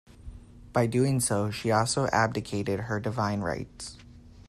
By doing so, she also abdicated her divine rights.